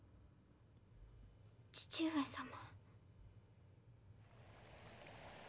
義父上様。